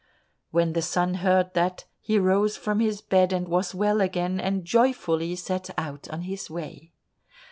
When the son heard that, he rose from his bed and was well again, and joyfully set out on his way.